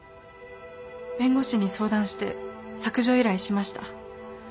弁護士に相談して削除依頼しました。